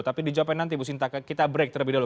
tapi dijawabkan nanti bu sinta kita break terlebih dahulu